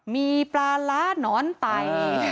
มีปลาร้าหนอนไต